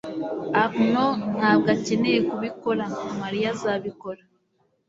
Arnaud ntabwo akeneye kubikora. Mariya azabikora.